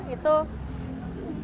itu bisa dibilang gajinya